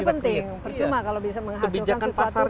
ini penting percuma kalau bisa menghasilkan sesuatu